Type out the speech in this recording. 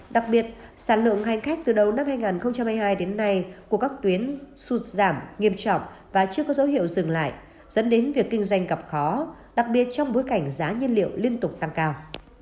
đặc biệt sản lượng hành khách từ đầu năm hai nghìn hai mươi hai đến nay của các tuyến sụt giảm nghiêm trọng và chưa có dấu hiệu dừng lại dẫn đến việc kinh doanh gặp khó đặc biệt trong bối cảnh giá nhiên liệu liên tục tăng cao